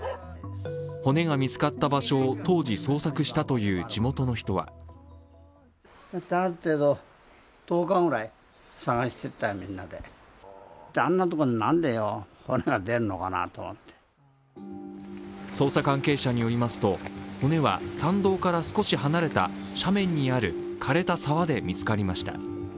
骨が見つかった場所を当時捜索したという地元の人は捜査関係者によりますと骨は山道から少し離れた斜面にある枯れた沢で見つかりました。